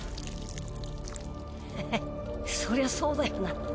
ハハそりゃそうだよな。